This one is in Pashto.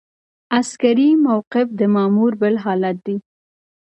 عسکري موقف د مامور بل حالت دی.